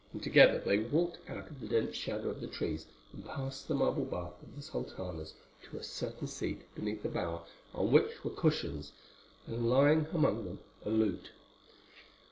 And together they walked out of the dense shadow of the trees and past the marble bath of the sultanas to a certain seat beneath a bower on which were cushions, and lying among them a lute.